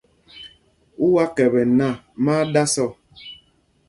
U wá kɛpɛ nak, má á ɗǎs ɔ.